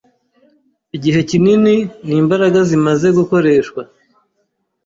Igihe kinini nimbaraga zimaze gukoreshwa.